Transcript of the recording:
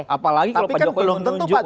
apalagi kalau pak jokowi menunjuk